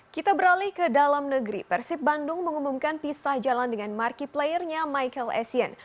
kita beralih ke dalam negeri persib bandung mengumumkan pisah jalan dengan markiplayernya michael essien